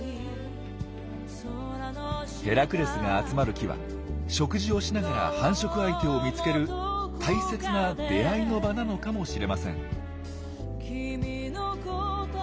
ヘラクレスが集まる木は食事をしながら繁殖相手を見つける大切な出会いの場なのかもしれません。